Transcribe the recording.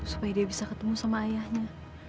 supaya dia bisa ketemu sama ayahnya